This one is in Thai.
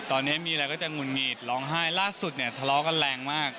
ตอนนี้มีอะไรก็จะหุ่นหงิดร้องไห้ล่าสุดเนี่ยทะเลาะกันแรงมาก